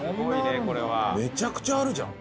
めちゃくちゃあるじゃん。